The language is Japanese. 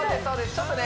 ちょっとね